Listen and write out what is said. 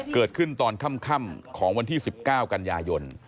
เกิดขึ้นตอนค่ำของวันที่๑๙กันยายน